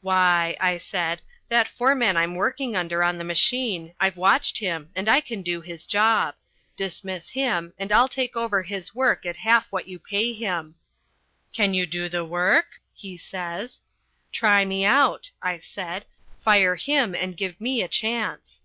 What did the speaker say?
"Why," I said, "that foreman I'm working under on the machine, I've watched him, and I can do his job; dismiss him and I'll take over his work at half what you pay him." "Can you do the work?" he says. "Try me out," I said. "Fire him and give me a chance."